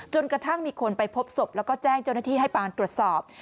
กระทั่งมีคนไปพบศพแล้วก็แจ้งเจ้าหน้าที่ให้ปานตรวจสอบ